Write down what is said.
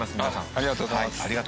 ありがとうございます。